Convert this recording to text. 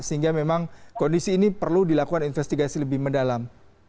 sehingga memang kondisi ini perlu dilakukan investigasi lebih mendalam